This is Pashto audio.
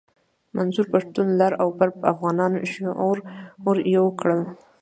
منظور پښتون لر او بر افغانان شعوري يو کړل.